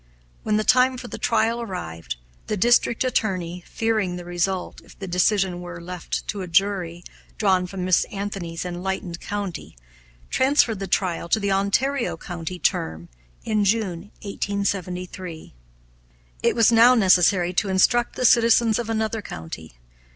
When the time for the trial arrived, the District Attorney, fearing the result, if the decision were left to a jury drawn from Miss Anthony's enlightened county, transferred the trial to the Ontario County term, in June, 1873. It was now necessary to instruct the citizens of another county.